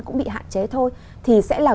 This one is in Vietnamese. cũng bị hạn chế thôi thì sẽ là